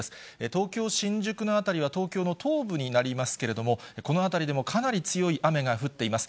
東京・新宿の辺りは東京の東部になりますけれども、この辺りでもかなり強い雨が降っています。